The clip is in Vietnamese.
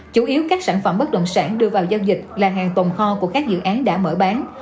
chủ yếu các sản phẩm bất động sản đưa vào giao dịch là hàng tồn kho của các dự án đã mở bán